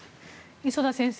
磯田先生